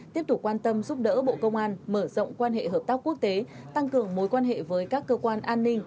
tiếp tục quan tâm giúp đỡ bộ công an mở rộng quan hệ hợp tác quốc tế tăng cường mối quan hệ với các cơ quan an ninh